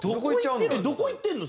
どこ行ってるの？